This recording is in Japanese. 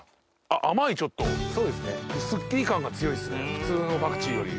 普通のパクチーより。